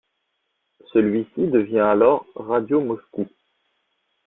Celui-ci devient alors Radio Moscow.